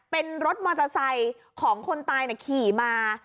เป็นรถมอเตอร์ไซค์ของคนตายขี่มา